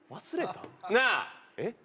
なあえっ？